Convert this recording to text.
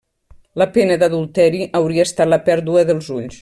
La pena d'adulteri hauria estat la pèrdua dels ulls.